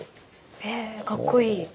へえかっこいい。